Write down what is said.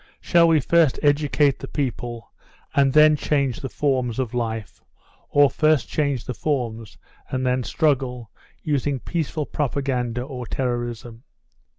"Shall we first educate the people and then change the forms of life, or first change the forms and then struggle, using peaceful propaganda or terrorism?